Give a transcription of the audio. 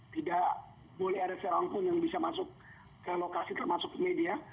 tidak boleh ada seorang pun yang bisa masuk ke lokasi termasuk media